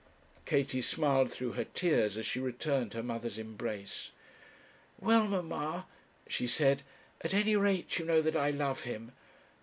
Katie smiled through her tears as she returned her mother's embrace. 'Well, mamma,' she said, 'at any rate you know that I love him.